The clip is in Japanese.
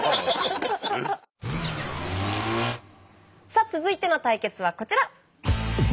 さあ続いての対決はこちら！